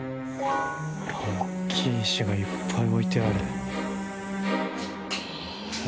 おっきい石がいっぱい置いてある。